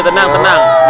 he tenang tenang